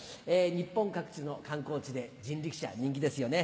日本各地の観光地で人力車人気ですよね。